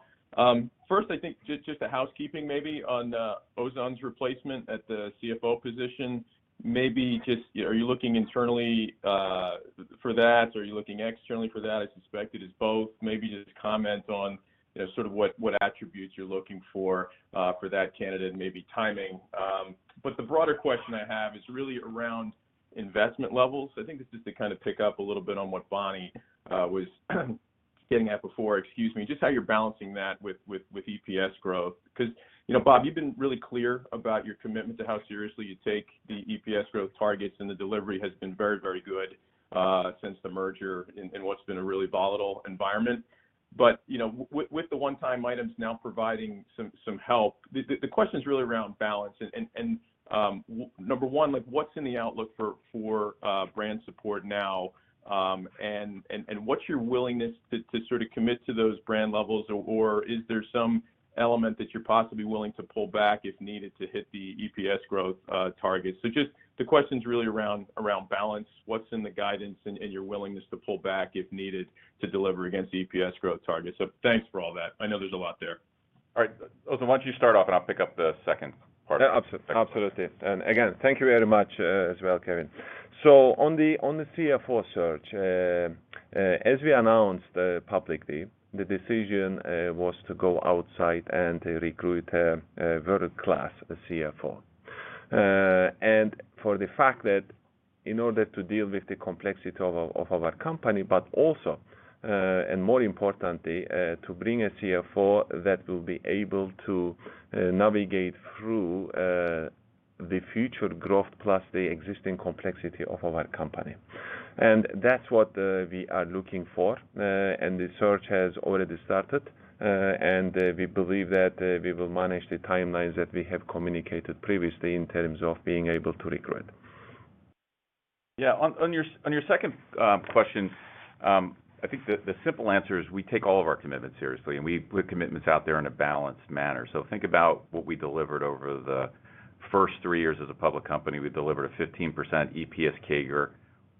First, I think just a housekeeping maybe on Ozan's replacement at the CFO position. Maybe just are you looking internally for that? Are you looking externally for that? I suspect it is both. Maybe just comment on, you know, sort of what attributes you're looking for for that candidate and maybe timing. But the broader question I have is really around investment levels. I think this is to kind of pick up a little bit on what Bonnie was getting at before. Excuse me. Just how you're balancing that with EPS growth. Cause, you know, Bob, you've been really clear about your commitment to how seriously you take the EPS growth targets, and the delivery has been very, very good since the merger in what's been a really volatile environment. You know, with the one-time items now providing some help, the question is really around balance and number one, like what's in the outlook for brand support now? And what's your willingness to sort of commit to those brand levels? Or is there some element that you're possibly willing to pull back if needed to hit the EPS growth targets? Just the question's really around balance, what's in the guidance and your willingness to pull back if needed to deliver against the EPS growth targets. Thanks for all that. I know there's a lot there. All right. Ozan, why don't you start off and I'll pick up the second part. Yeah. Absolutely. Again, thank you very much, as well, Kevin. On the CFO search, as we announced publicly, the decision was to go outside and recruit a world-class CFO. For the fact that in order to deal with the complexity of our company, but also, and more importantly, to bring a CFO that will be able to navigate through the future growth plus the existing complexity of our company. That's what we are looking for. The search has already started, and we believe that we will manage the timelines that we have communicated previously in terms of being able to recruit. Yeah. On your second question, I think the simple answer is we take all of our commitments seriously, and we put commitments out there in a balanced manner. Think about what we delivered over the first three years as a public company. We delivered a 15% EPS CAGR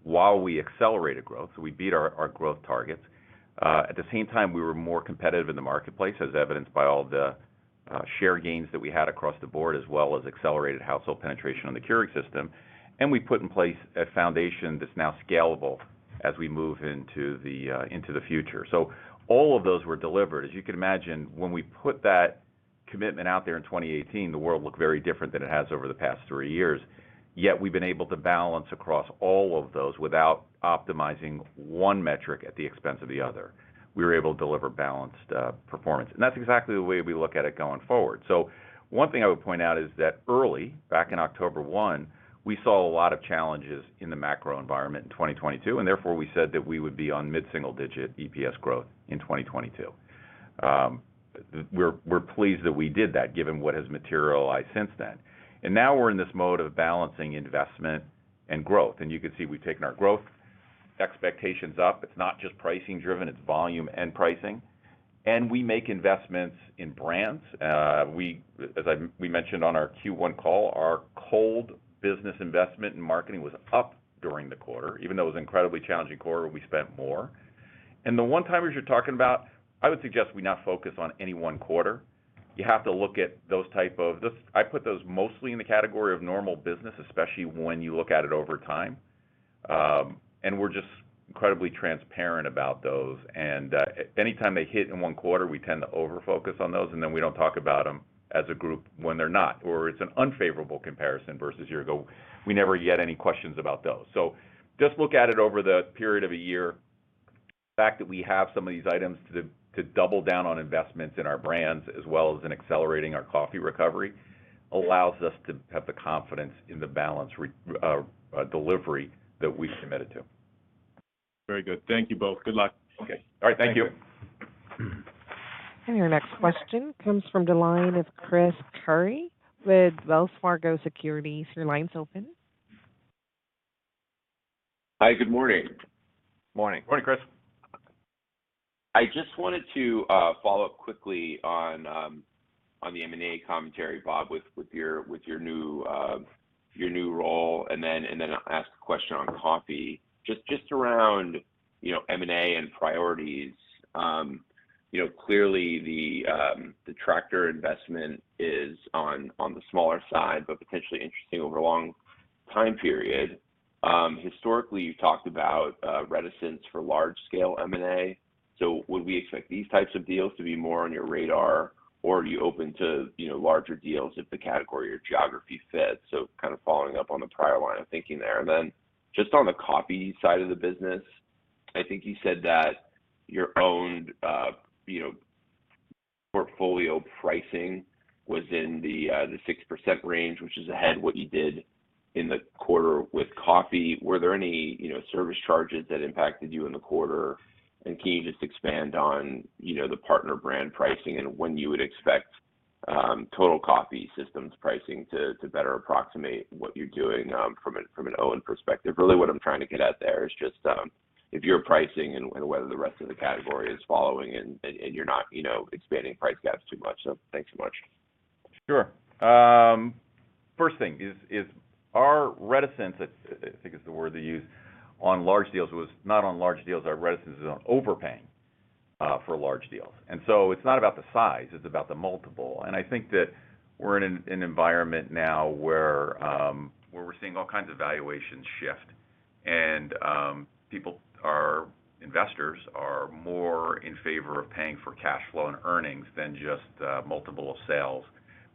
while we accelerated growth, so we beat our growth targets. At the same time, we were more competitive in the marketplace, as evidenced by all the share gains that we had across the board, as well as accelerated household penetration on the Keurig system. We put in place a foundation that's now scalable as we move into the future. All of those were delivered. As you can imagine, when we put that commitment out there in 2018, the world looked very different than it has over the past three years. Yet we've been able to balance across all of those without optimizing one metric at the expense of the other. We were able to deliver balanced performance. That's exactly the way we look at it going forward. One thing I would point out is that early, back in October 2021, we saw a lot of challenges in the macro environment in 2022, and therefore, we said that we would be on mid-single-digit EPS growth in 2022. We're pleased that we did that given what has materialized since then. Now we're in this mode of balancing investment and growth. You can see we've taken our growth expectations up. It's not just pricing driven, it's volume and pricing. We make investments in brands. We mentioned on our Q1 call, our cold business investment in marketing was up during the quarter. Even though it was an incredibly challenging quarter, we spent more. The one-timers you're talking about, I would suggest we not focus on any one quarter. You have to look at those. I put those mostly in the category of normal business, especially when you look at it over time. We're just incredibly transparent about those. Anytime they hit in one quarter, we tend to over-focus on those, and then we don't talk about them as a group when they're not, or it's an unfavorable comparison versus a year ago. We never get any questions about those. Just look at it over the period of a year. The fact that we have some of these items to double down on investments in our brands as well as in accelerating our coffee recovery allows us to have the confidence in the balanced delivery that we've committed to. Very good. Thank you both. Good luck. Okay. All right. Thank you. Thank you. Your next question comes from the line of Chris Carey with Wells Fargo Securities. Your line's open. Hi, good morning. Morning. Morning, Chris. I just wanted to follow up quickly on the M&A commentary, Bob, with your new role, and then I'll ask a question on coffee. Just around, you know, M&A and priorities, you know, clearly the Tractor investment is on the smaller side, but potentially interesting over a long time period. Historically, you've talked about reticence for large scale M&A. Would we expect these types of deals to be more on your radar or are you open to, you know, larger deals if the category or geography fits? Kind of following up on the prior line of thinking there. Just on the coffee side of the business, I think you said that your own, you know, portfolio pricing was in the 6% range, which is ahead of what you did in the quarter with coffee. Were there any, you know, service charges that impacted you in the quarter? Can you just expand on, you know, the partner brand pricing and when you would expect total coffee systems pricing to better approximate what you're doing from an owned perspective? Really what I'm trying to get at there is just if you're pricing and you're not, you know, expanding price gaps too much. Thanks so much. Sure. First thing is our reticence, I think is the word they used on large deals, was not on large deals. Our reticence is on overpaying for large deals. It's not about the size, it's about the multiple. I think that we're in an environment now where we're seeing all kinds of valuations shift. Investors are more in favor of paying for cash flow and earnings than just a multiple of sales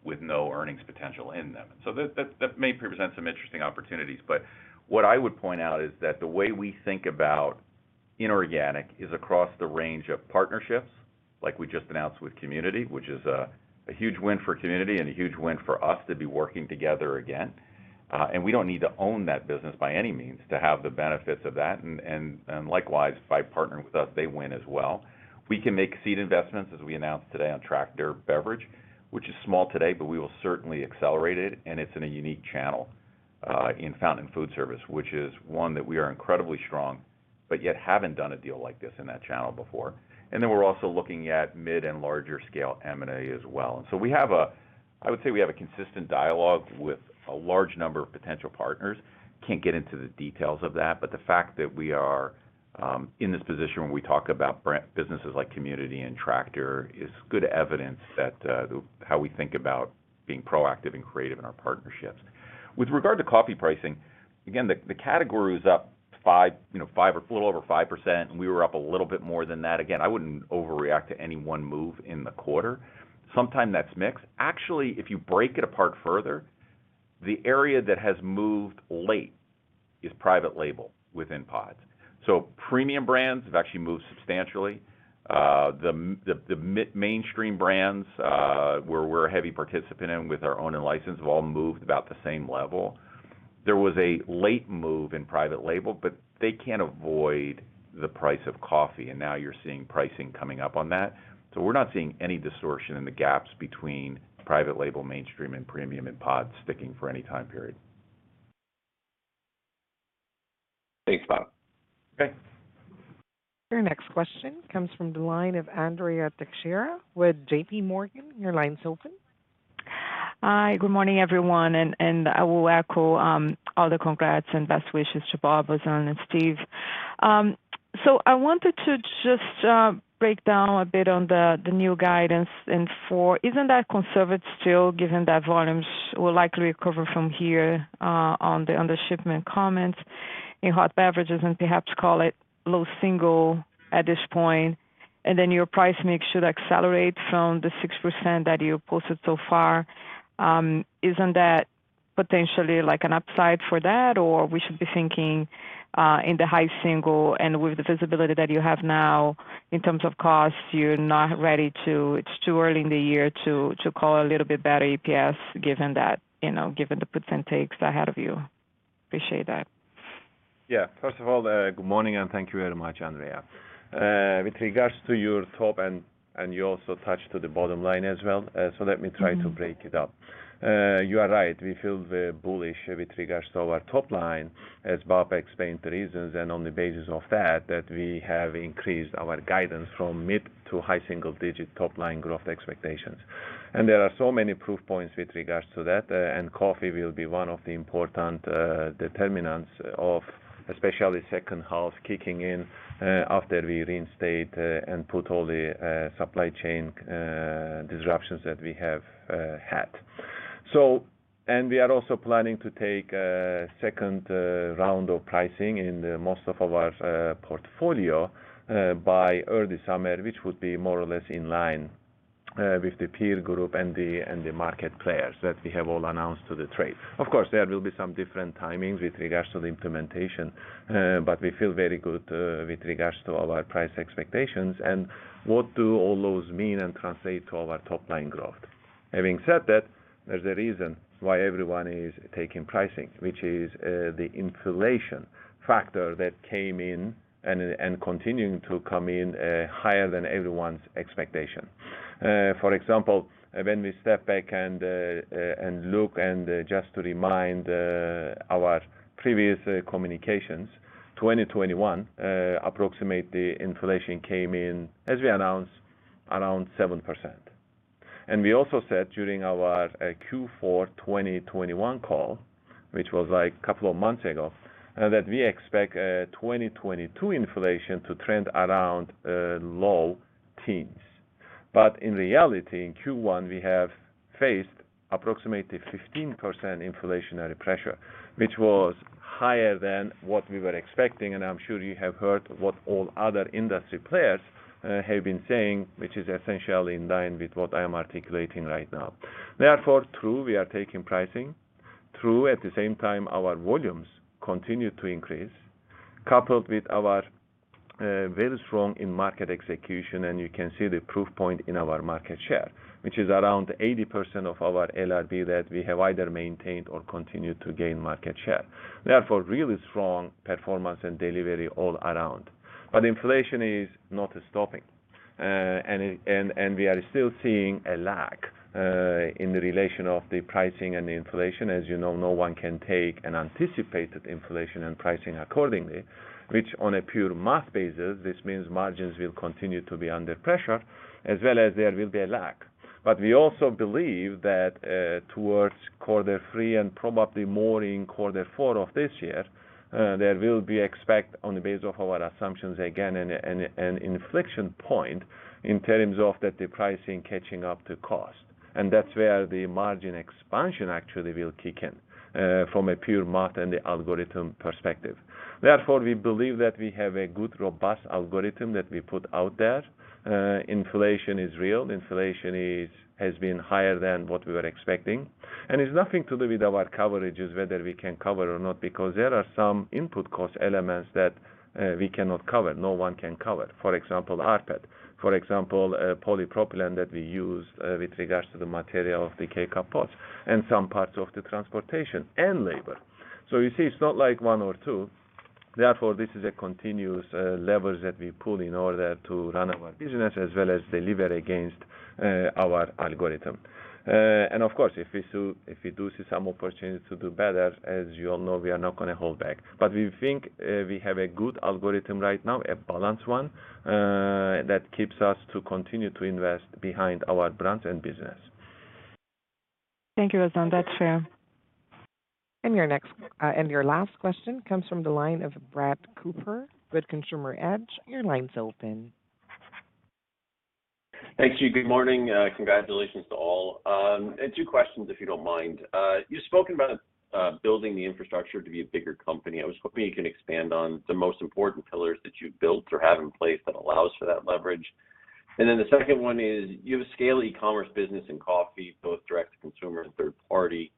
with no earnings potential in them. That may present some interesting opportunities. What I would point out is that the way we think about inorganic is across the range of partnerships, like we just announced with Community, which is a huge win for Community and a huge win for us to be working together again. We don't need to own that business by any means to have the benefits of that. Likewise, by partnering with us, they win as well. We can make seed investments, as we announced today on Tractor Beverage, which is small today, but we will certainly accelerate it. It's in a unique channel, in fountain food service, which is one that we are incredibly strong, but yet haven't done a deal like this in that channel before. Then we're also looking at mid and larger scale M&A as well. I would say we have a consistent dialogue with a large number of potential partners. Can't get into the details of that, but the fact that we are in this position when we talk about businesses like Community and Tractor is good evidence that how we think about being proactive and creative in our partnerships. With regard to coffee pricing, again, the category is up 5%, you know, or a little over 5%, and we were up a little bit more than that. Again, I wouldn't overreact to any one move in the quarter. Sometimes that's mixed. Actually, if you break it apart further, the area that has moved late is private label within pods. So premium brands have actually moved substantially. The mainstream brands, where we're a heavy participant in with our own and license, have all moved about the same level. There was a late move in private label, but they can't avoid the price of coffee, and now you're seeing pricing coming up on that. We're not seeing any distortion in the gaps between private label, mainstream, and premium in pods sticking for any time period. Thanks, Bob. Okay. Your next question comes from the line of Andrea Teixeira with J.P. Morgan. Your line's open. Hi, good morning, everyone. I will echo all the congrats and best wishes to Bob, Ozan, and Steve. I wanted to just break down a bit on the new guidance in four. Isn't that conservative still, given that volumes will likely recover from here on the shipment comments in hot beverages and perhaps call it low single at this point? Your price mix should accelerate from the 6% that you posted so far. Isn't that potentially like an upside for that? We should be thinking in the high single and with the visibility that you have now in terms of costs, you're not ready to. It's too early in the year to call a little bit better EPS given that, you know, given the puts and takes ahead of you. Appreciate that. Yeah. First of all, good morning, and thank you very much, Andrea. With regards to your top and you also touched on the bottom line as well, so let me try to break it up. You are right. We feel very bullish with regards to our top line as Bob explained the reasons, and on the basis of that we have increased our guidance from mid- to high-single-digit top line growth expectations. There are so many proof points with regards to that, and coffee will be one of the important determinants of especially second half kicking in, after we reinstate and put all the supply chain disruptions that we have had. We are also planning to take a second round of pricing in most of our portfolio by early summer, which would be more or less in line with the peer group and the market players that we have all announced to the trade. Of course, there will be some different timings with regards to the implementation, but we feel very good with regards to our price expectations and what all those mean and translate to our top line growth. Having said that, there's a reason why everyone is taking pricing, which is the inflation factor that came in and continuing to come in higher than everyone's expectation. For example, when we step back and look and just to remind our previous communications, 2021 approximately inflation came in, as we announced, around 7%. We also said during our Q4 2021 call, which was like a couple of months ago, that we expect 2022 inflation to trend around low teens. In reality, in Q1, we have faced approximately 15% inflationary pressure, which was higher than what we were expecting, and I'm sure you have heard what all other industry players have been saying, which is essentially in line with what I am articulating right now. Therefore, true, we are taking pricing. True, at the same time, our volumes continue to increase, coupled with our very strong in-market execution, and you can see the proof point in our market share, which is around 80% of our LRV that we have either maintained or continued to gain market share. Therefore, really strong performance and delivery all around. Inflation is not stopping, and we are still seeing a lag in the relation of the pricing and the inflation. As you know, no one can take an anticipated inflation and pricing accordingly, which on a pure math basis, this means margins will continue to be under pressure, as well as there will be a lag. We also believe that, towards quarter three and probably more in quarter four of this year, we expect, on the basis of our assumptions again, an inflection point in terms of the pricing catching up to cost. That's where the margin expansion actually will kick in, from a pure math and the algorithm perspective. Therefore, we believe that we have a good, robust algorithm that we put out there. Inflation is real. Inflation has been higher than what we were expecting. It's nothing to do with our coverages, whether we can cover or not, because there are some input cost elements that we cannot cover. No one can cover. For example, rPET. For example, polypropylene that we use with regards to the material of the K-Cup pods and some parts of the transportation and labor. You see, it's not like one or two. Therefore, this is a continuous levers that we pull in order to run our business as well as deliver against our algorithm. And of course, if we do see some opportunities to do better, as you all know, we are not gonna hold back. We think we have a good algorithm right now, a balanced one that keeps us to continue to invest behind our brands and business. Thank you, Ozan. That's fair. Your next, and your last question comes from the line of Brett Cooper with Consumer Edge. Your line's open. Thank you. Good morning. Congratulations to all. Two questions, if you don't mind. You've spoken about building the infrastructure to be a bigger company. I was hoping you could expand on the most important pillars that you've built or have in place that allows for that leverage. The second one is, you have a scale e-commerce business in coffee, both direct to consumer and third party.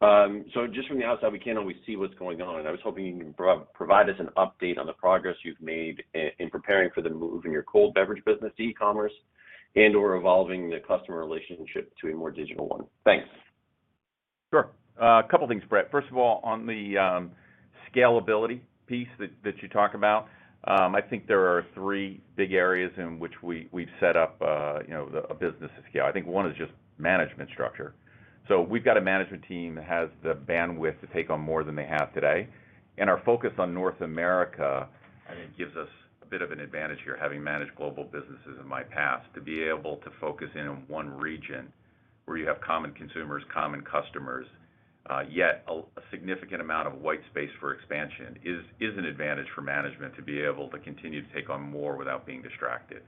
Just from the outside, we can't always see what's going on. I was hoping you can provide us an update on the progress you've made in preparing for the move in your cold beverage business to e-commerce and/or evolving the customer relationship to a more digital one. Thanks. Sure. A couple things, Brett. First of all, on the scalability piece that you talk about, I think there are three big areas in which we've set up a business scale. I think one is just management structure. We've got a management team that has the bandwidth to take on more than they have today. Our focus on North America, I think, gives us a bit of an advantage here, having managed global businesses in my past, to be able to focus in on one region where you have common consumers, common customers, yet a significant amount of white space for expansion, is an advantage for management to be able to continue to take on more without being distracted.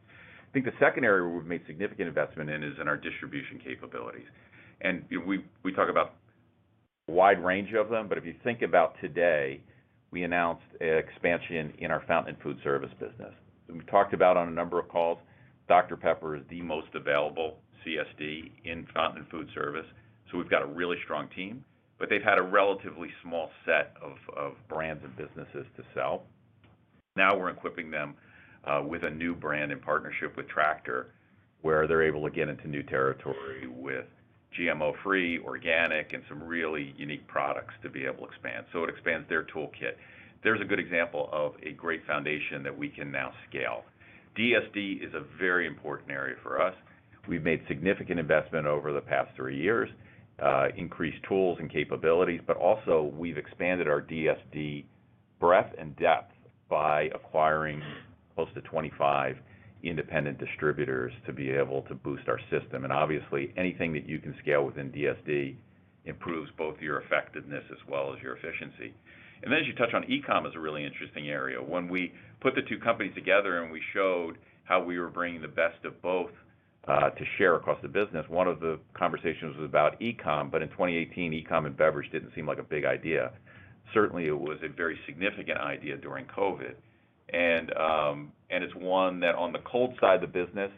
I think the second area where we've made significant investment in is in our distribution capabilities. We talk about a wide range of them, but if you think about today, we announced expansion in our fountain food service business. We've talked about on a number of calls, Dr Pepper is the most available CSD in fountain food service. We've got a really strong team, but they've had a relatively small set of brands and businesses to sell. Now we're equipping them with a new brand in partnership with Tractor, where they're able to get into new territory with GMO-free, organic, and some really unique products to be able to expand. It expands their toolkit. There's a good example of a great foundation that we can now scale. DSD is a very important area for us. We've made significant investment over the past three years, increased tools and capabilities, but also we've expanded our DSD breadth and depth by acquiring close to 25 independent distributors to be able to boost our system. Obviously, anything that you can scale within DSD improves both your effectiveness as well as your efficiency. As you touch on, e-com is a really interesting area. When we put the two companies together and we showed how we were bringing the best of both to share across the business, one of the conversations was about e-com, but in 2018, e-com and beverage didn't seem like a big idea. Certainly, it was a very significant idea during COVID. It's one that on the cold side of the business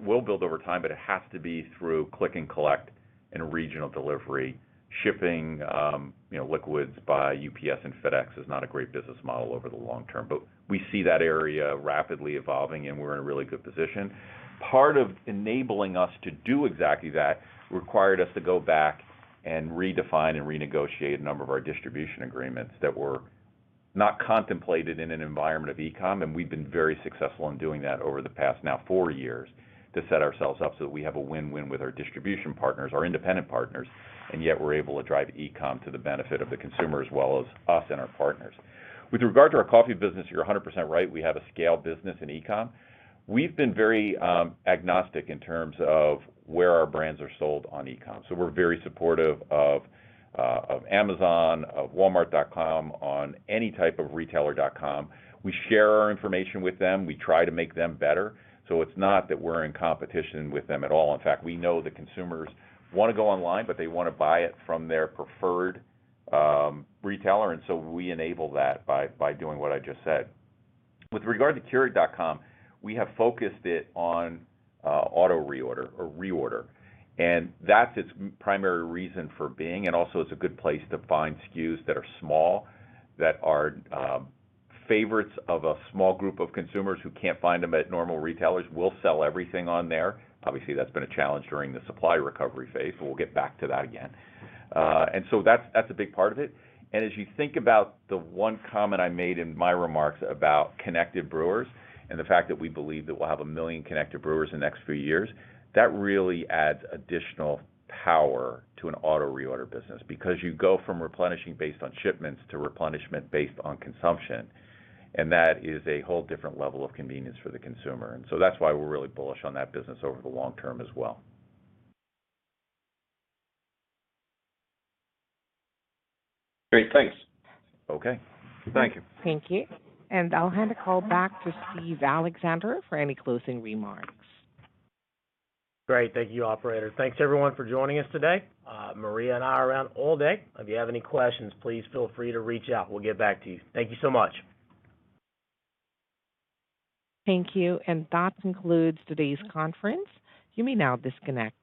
will build over time, but it has to be through click and collect and regional delivery. Shipping, you know, liquids by UPS and FedEx is not a great business model over the long term, but we see that area rapidly evolving, and we're in a really good position. Part of enabling us to do exactly that required us to go back and redefine and renegotiate a number of our distribution agreements that were not contemplated in an environment of e-com. We've been very successful in doing that over the past now four years to set ourselves up so that we have a win-win with our distribution partners, our independent partners, and yet we're able to drive e-com to the benefit of the consumer as well as us and our partners. With regard to our coffee business, you're 100% right. We have a scale business in e-com. We've been very agnostic in terms of where our brands are sold on e-com. We're very supportive of Amazon, of Walmart.com, on any type of retailer dot-com. We share our information with them. We try to make them better. It's not that we're in competition with them at all. In fact, we know the consumers wanna go online, but they wanna buy it from their preferred retailer. We enable that by doing what I just said. With regard to Keurig.com, we have focused it on auto reorder or reorder, and that's its primary reason for being. Also it's a good place to find SKUs that are small, that are favorites of a small group of consumers who can't find them at normal retailers. We'll sell everything on there. Obviously, that's been a challenge during the supply recovery phase, but we'll get back to that again. That's a big part of it. As you think about the one comment I made in my remarks about connected brewers and the fact that we believe that we'll have 1 million connected brewers in the next few years, that really adds additional power to an auto reorder business because you go from replenishing based on shipments to replenishment based on consumption. That is a whole different level of convenience for the consumer. That's why we're really bullish on that business over the long term as well. Great. Thanks. Okay. Thank you. Thank you. I'll hand the call back to Steve Alexander for any closing remarks. Great. Thank you, operator. Thanks, everyone, for joining us today. Maria and I are around all day. If you have any questions, please feel free to reach out. We'll get back to you. Thank you so much. Thank you. That concludes today's conference. You may now disconnect.